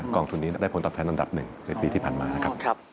องทุนนี้ได้ผลตอบแทนอันดับหนึ่งในปีที่ผ่านมานะครับ